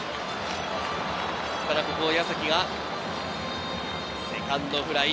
ここ矢崎がセカンドフライ。